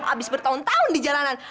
habis bertahun tahun di jalanan